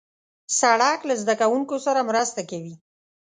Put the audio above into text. سړک له زدهکوونکو سره مرسته کوي.